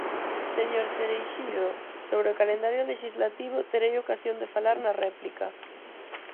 Señor Cereixido, sobre o calendario lexislativo terei ocasión de falar na réplica.